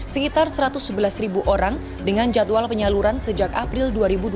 sekitar satu ratus sebelas ribu orang dengan jadwal penyaluran sejak april dua ribu dua puluh